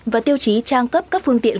và tiêu chí trang cấp các phương tiện